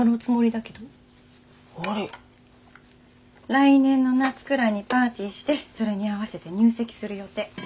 来年の夏くらいにパーティーしてそれに合わせて入籍する予定。